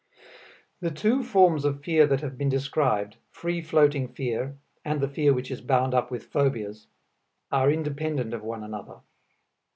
The two forms of fear that have been described, free floating fear and the fear which is bound up with phobias, are independent of one another.